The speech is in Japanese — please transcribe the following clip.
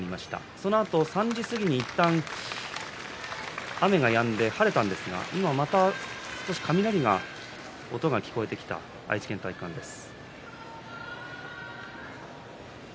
そのあと３時過ぎにいったん雨がやんで晴れたんですが今また少し雷の音が聞こえてきた愛知県体育館です。